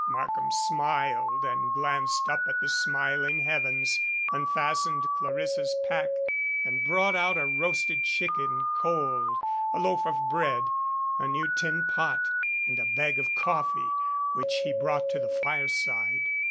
Markham smiled and glanced up at the smiling heavens, unfastened Clarissa's pack, and brought out a roasted chicken cold, a loaf of bread, a new tin pot, and a bag of coffee, which he brought to the fireside.